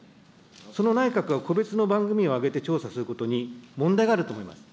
その内閣が個別の番組名を挙げて調査することに問題があると思います。